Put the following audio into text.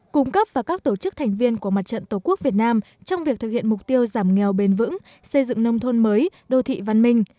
cung cấp và các tổ chức thành viên của mặt trận tổ quốc việt nam trong việc thực hiện mục tiêu giảm nghèo bền vững xây dựng nông thôn mới đô thị văn minh